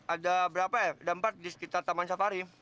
ada berapa ya ada empat di sekitar taman safari